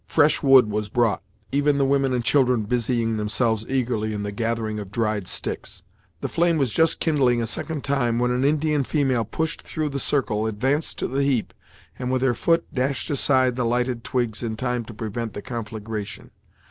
Fresh wood was brought, even the women and children busying themselves eagerly, in the gathering of dried sticks. The flame was just kindling a second time, when an Indian female pushed through the circle, advanced to the heap, and with her foot dashed aside the lighted twigs in time to prevent the conflagration.